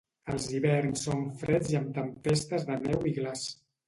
Els hiverns són freds i amb tempestes de neu i glaç.